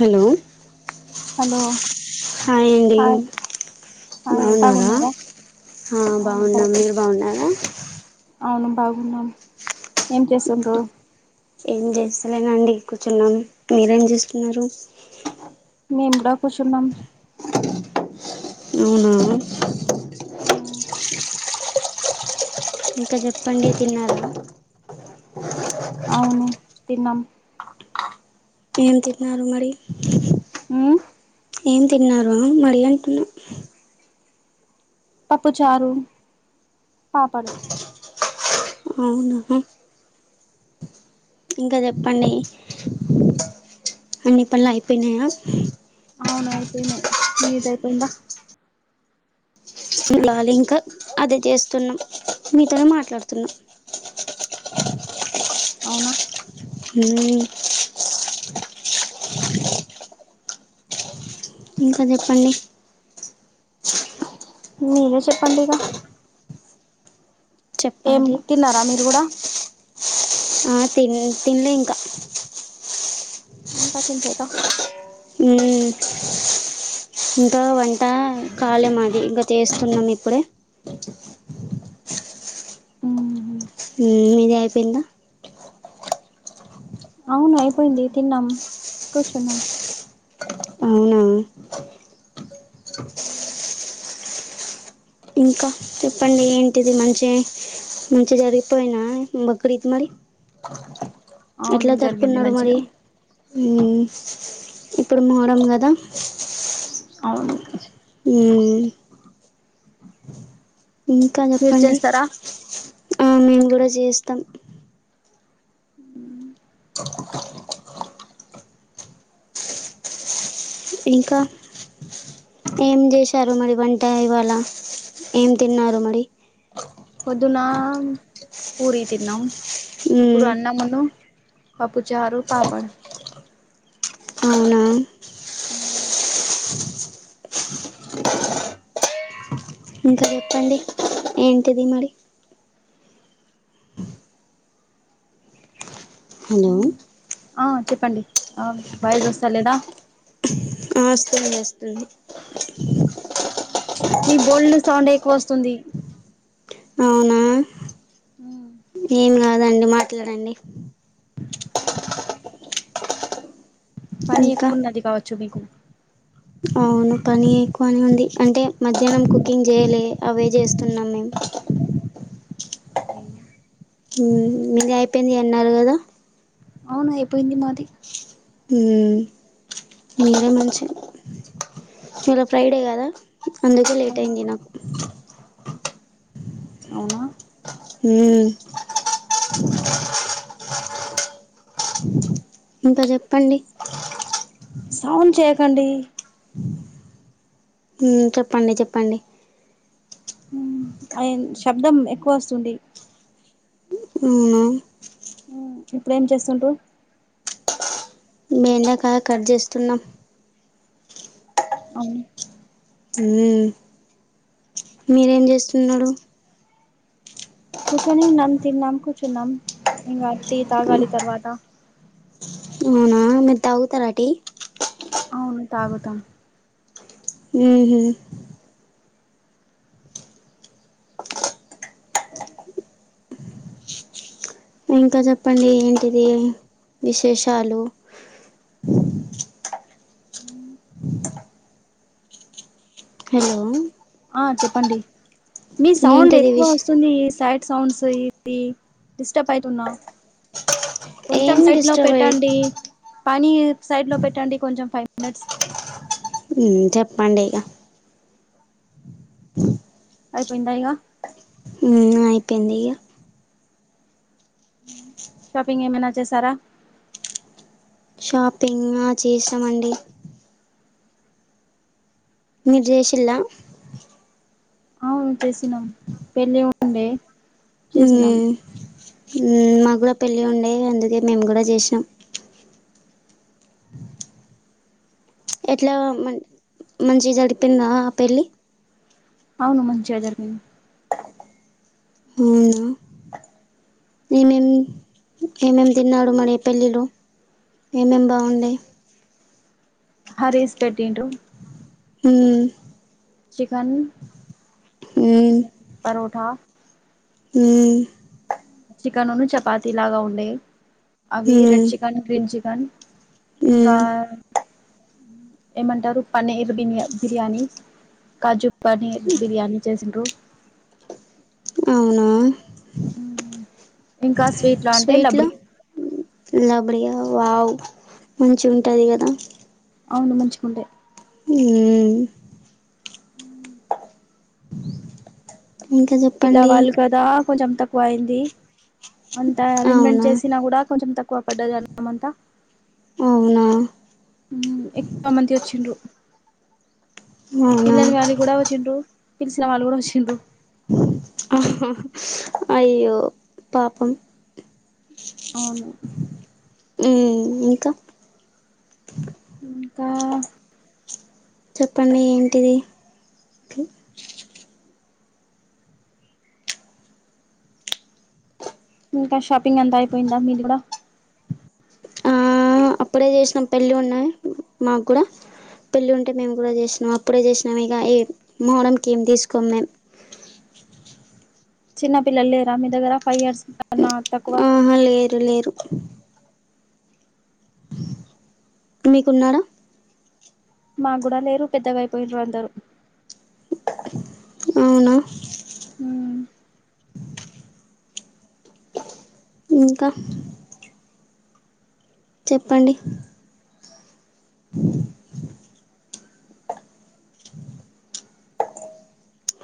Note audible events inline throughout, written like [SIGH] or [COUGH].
Hello hello hi అండి బాగున్నారా [UNINTELLIGIBLE] ఆ అవును బాగున్నాం మీరు [INAUDIBLE] బాగున్నారా అవును బాగుననం ఏం చేసుండ్రు ఏం చేస్తలేనండి కూర్చున్నాం మీరేం చేస్తున్నారు మేము కూడ కూర్చున్నాం అవునా మ్, ఇంకా చెప్పండి తిన్నార అవును తిన్నాం ఏం తిన్నారు మరి ఉ ఏం తిన్నారు మరి అంటున్న పప్పుచారు [UNINTELLIGIBLE] అవునా ఇంకా చెప్పండి అన్ని పనులు అయిపోయినాయ అవున అయిపోయినాయి మీద అయిపోయింద [UNINTELLIGIBLE] ఇంకా అదే చేస్తున్నాం మీతోనే మాట్లాడుతున్నాం అవున ఉమ్ ఇంకా చెప్పండి మీరే చెప్పండి ఇగా ఏం చెప్పాలి తిన్నారా మీరు కూడా ఆ తిన్ తిినలే ఇంకా ఇంకా తినలేదా హమ్ ఇంకా వంట కాలే మాది ఇంకా చేస్తున్నాం ఇప్పుడే మ్, హమ్ మీది అయిపోయిందా అవును అయిపోయింది తిన్నాం కూర్చున్నాం అవునా ఇంకా చెప్పండి ఏంటిది మంచే మంచి చి జరిగిపోయినా బక్రీద్ మరి అవును ఎట్లా జరిగింది జరుపుకన్నారు మంచిగా మరి ఉమ్ ఇప్పుడు మొహర్రం కదా అవును ఉమ్ ఇంకా మీరు చెప్పండి చేస్తారా ఆ మేము కూడా చేస్తాం ఉ ఇంకా ఏం చేశారు మరి వంట ఇవాళ ఏం తిన్నారు మరి పొద్దున పూరి తిన్నాం ఇప్పుడు మ్మ్. అన్నము పప్పుచారు పప్పడ్ అవునా ఉ ఇంకా చెప్పండి ఏంటిది మరి హలో ఆ చెప్పండి ఆ వాయిస్ వస్తా లేదా ఆ వస్తుంది వస్తుంది ఈ బోర్ల సౌండ్ ఎక్కువ వస్తుంది అవునా హమ్ అదండి మాట్లాడండి పనీ ఇంకా ఎక్కువ ఉన్నది కావచ్చు మీకు అవును పని ఎక్కువనే ఉంది అంటే మధ్యాహ్నం కుకింగ్ చేయలే అదే చేస్తున్నాం మేము అవునా మీది అయిపోయింది అన్నారు కదా అవునా ఐపోయింది మాది ఉమ్ మీరే మంచి ఇవ్వాళ ఫ్రైడే కదా అందుకే లేట్ అవును అయింది నాకు అవునా ఉమ్ ఇంకా చెప్పండి సౌండ్ చేయకండి ఉమ్ చెప్పండి చెప్పండి ఆయన్ శబ్దం ఎక్కువ వస్తుంది. అవునా ఇప్పుడేం చేస్తుండ్రు? బెండాకాయ కట్ చేస్తున్నాం. అవును మీరేం చేస్తున్నరు? కూర్చునిం నమ్ తిన్నాం కూర్చున్నాం, ఇంగా టీ తాగాలి తర్వాత. అవునా మీరు తాగుతారా టి? అవును తాగుతాం. ఉహు ఇంకా చెప్పండి ఏంటిది విశేషాలు? ఉం హలో ఆ చెప్పండి, మీ సౌండ్ ఏంటిది ఎక్కువ విష్ వస్తుంది. ఈ సైడ్ సౌండ్స్ ఇది డిస్టర్బ్ అయితున్నా. కొంచెం ఏం సైడ్ లో డిస్టర్బ్ అయ్య పెట్టండి, పనీ సైడ్ లో పెట్టండి కొంచెం ఫై మినెట్స్ ఉమ్ చెప్పండి ఇగ అ అయిపోయింద ఇగ? ఉమ్ అయిపోయింది ఇగ. షాపింగ్ ఏమైనా చేసారా? షాపింగ్ ఆ చేసామండి. మీర్ జైషిల్లా? అవును జెసినం, పెళ్ళి ఉండే చేసినాం ఉమ్ ఉమ్ మా గుడ పెళ్ళి ఉండే అందుకే మేము గుడ జెసినం. ఎట్లా మం మంచిగా జరిపిందా ఆ పెళ్ళి? అవును మంచిగ జరిగింది. అవునా ఏమేం ఏమేం తిన్నాడు మరీ పెళ్ళిలో, ఏమేం బాగుండే. హరీస్ పెట్టీండ్రూ. ఉమ్ చికన్ పోరోఠా. ఉమ్ చికెన్ ఉన్నూ చపాతి లాగా ఉండే, అవి రెడ్ మ్మ్ చికెన్, గ్రీన్ చికెన్. ఇంకా మ్మ్ ఏమంటారు పనీర్ ఇంగ బిర్యానీ, కాజు పనీర్ బిర్యానీ చేసిండ్రు. అవునా? ఇంకా స్వీట్లో అంటే స్వీట్ లో లబ్బడి లబ్డియా వో వావ్ మంచిగంటది కదా. అవును మంచిగుండె. ఉమ్ ఇంక చెప్పండి. పిల్లవాళ్ళు కదా కొంచెం తక్కువ అయింది అంత అరేంజ్మెంట్ అవునా చేసినా కూడా కొంచెం తక్కువ వ పడ్డాది అన్నమంత అవునా మ్ ఎక్కువ మంది వచ్చిండ్రు అవునా పిలువని వాళ్ళు కూడా వచ్చిండ్రు పిలిచిన వాళ్ళు కూడా వచ్చిండ్రు అయ్యో పాపం అవును మ్ ఇంకా ఇంకా చెప్పండి ఏంటిది ఇంకా షాపింగ్ అంత అయిపోయిందా మీది కూడా ఆ అప్పుడే చేసినం పెళ్ళి ఉన్నాయి మాకు కూడా పెళ్ళి ఉంటే మేము కూడా చేసినాం అప్పుడే చేసినాము ఇగ ఏ మోహరంకి ఏం తీసుకొం మేము చిన్న పిల్లలు లేరా మీ దగ్గర ఫైవ్ ఇయర్స్ బ ఆహా లేరు లేరు మీకున్నారా మాక్కుడా లేరు పెద్దగా అయిపోయిన్రు అందరూ అవునా మ్ ఇంకా చెప్పండి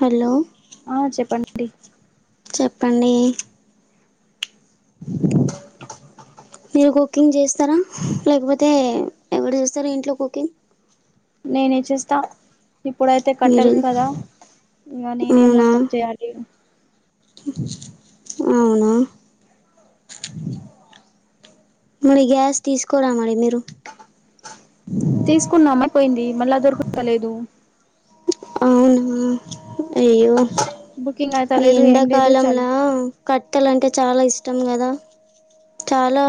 హలో ఆ చెప్పండి చెప్పండి మీరు కుకింగ్ చేస్తారా లేకపోతే ఎవరు చేస్తారా ఇంట్లో కుకింగ్ నినే చ్ చేస్తా ఇప్పుడైతే మీరు కట్టెలు కదా ఇంగ నేనే అవునా మొత్తం చేయాలి ఇగ అవునా మరి గ్యాస్ తీసుకోరా మరి మీరు తీసుకున్నామైపోయింది మళ్ళా దొరుకుత లేదు అవునా అయ్యో బుకింగ్ ఈ అయితలేదు ఏం లేదు ఎండాకాలంల చాల్ కట్టేలంటే చాలా ఇష్ ష్టం కదా చాలా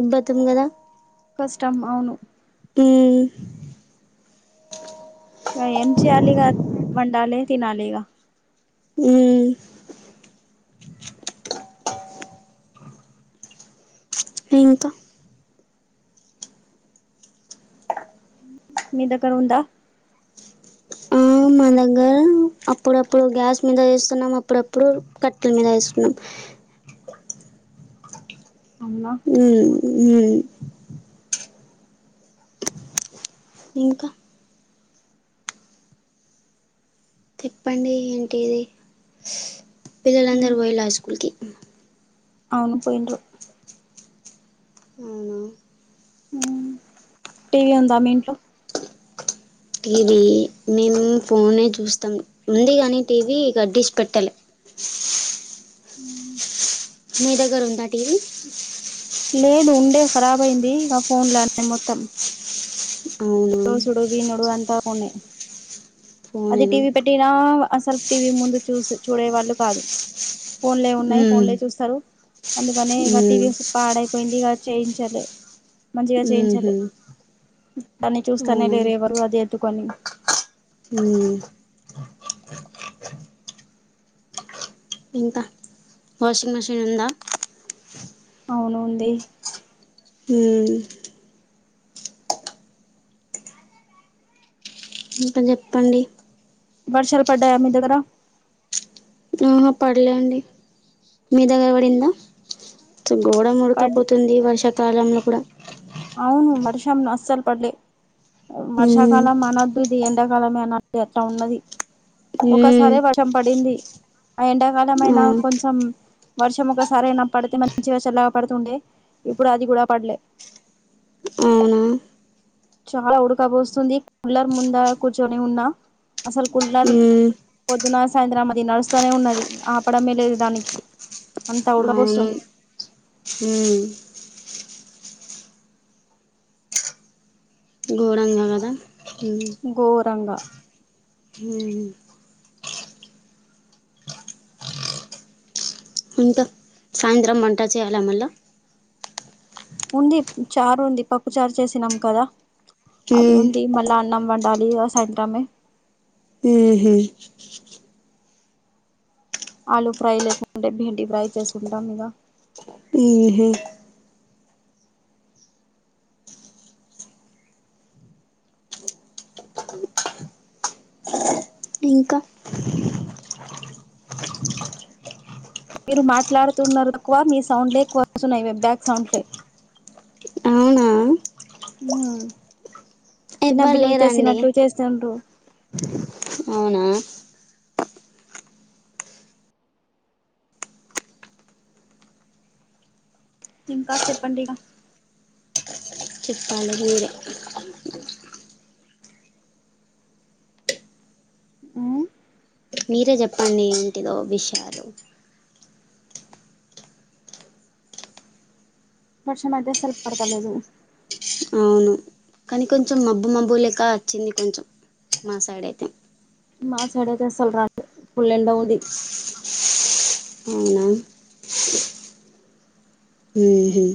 ఇబ్బతం కదా కష్టం అవును మ్ ఇగ ఎం చేయాలి ఇగ వండలే తినలే ఇగ మ్ ఇంకా మీ దగ్గర ఉంద ఆ, మా దగ్గర అప్పుడప్పుడు గ్యాస్ మీద వేస్తున్నాం అప్పుడప్పుడు కట్టెల మీద వేస్తున్నాం అవునా మ్ మ్మ్ ఇంకా చెప్పండి ఏంటిది పిల్లలందరూ పోయిళ్ళ స్కూల్కి అవును పోయిండ్రు అవునా అవును టీవీ ఉందా మీ ఇంట్లో టీవీ మేము ఫోనే చూస్తాం ఉంది కానీ టీవీ గడ్డిసి పెట్టాలి ఊ మీ దగర ఉందా టీవీ లేద్ ఉండే రాబ్ అయింది ఇక ఫోన్లనే మొత్తం అవునా చుసుడు వినుడు అంతా ఊనే అది ఫోనేనా టీవీ పెట్టినా అసల్ఫ్ టీవీ ముందు చూస్ చూడేవాళ్లు కాదు ఫోన్లే ఉన్నాయి మ్మ్. ఫోన్లే చూస్తారు అందుకనే ఇక మ్మ్. టీవీ పాడైపోయింది ఇక చేయించలే మంచిగా చేయించలే దాన్ని ఊ చూస్తానే లేరు ఎవరు అది ఎత్తుకొని ఊ ఇంకా వాషింగ్ మిషిన్ ఉందా అవునుంది ఊ ఇంక చెప్పండి వర్షాలు పడ్డాయా మీ దగ్గర ఆ పడలే అండి మీ దగ్గర పడిందా అసల్ గోడ పడ్ ముడకపోతుంది వర్షాకాలంలో కూడా అవును వర్షం నస్సలు పడలే మ్మ్. వర్షాకాలం మనద్ ఇద్ ఎండాకాలమేలే అనాలి అట్లా ఉన్నది మ్మ్. ఒకసారే వర్షం పడింది ఆ ఎండాకాలం అయినా అవును కొంచం వర్షం ఒకసారైయినా పడితే మంచిగా చల్లాగా పడుతుండే ఇప్పుడు అది కూడా పడలే అవునా చాలా ఉడకబోస్తుంది కుళ్లర్ ముంద కూర్చొని ఉన్నా అసలు కుళ్లర్ మ్మ్ పొద్దున సాయంత్రం అది నడుస్తనే ఉన్నది ఆపడమే లేదు దానికి అంత ఉడకపోస్తుంది ఊ ఘోరంగా కదా మ్మ్ ఘోరంగా మ్మ్ ఇంకా సాయంత్రం మంట చేయాలా మళ్ళ ఉంది చారు ఉంది పప్పు చారు చేసినాం కదా అది మ్మ్ ఉంది మళ్ళ అ నం వండాలి ఇగ సాయంత్రమే ఊహు ఆలుూ ఫ్రై లేకుంటే బీడి ఫ్రై చేసుకుంటాం ఇగ ఊహు ఇంకా మీరు మాట్లాడుతున్నారు తక్కువ మీ సౌండ్లే ఎక్కువస్తున్నాయి వేట్ బ్యాక్ సౌండ్లే. అవునా ఊ చిన్న ఎవ్వరు పిల్లలు లేరండి చేసినట్లు చేస్తుండ్రు అవునా ఇంకా చెప్పండిగా చెప్పాలి మీరే మ్మ్ మీరే చెప్పండి ఏంటిదో విషయాలు వర్షం ఐతే అసల్ పడతలేదు అవును కానీ కొంచెం మబ్బు మబ్బు లెక్క వచ్చింది కొంచెం మా సైడయితే మా సైడ్ ఐతే అసల్ రాలె ఫుల్ ఎండ ఉంది. అవునా ఉమ్ హు